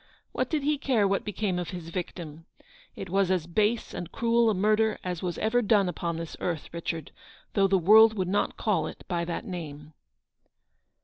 What did he care what became of his victim ? It was as base and cruel a murder as was ever done upon this earth, Richard, though the world would not call it by that name."